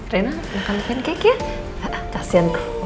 rena makan pancake ya